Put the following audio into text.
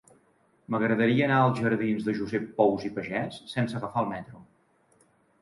M'agradaria anar als jardins de Josep Pous i Pagès sense agafar el metro.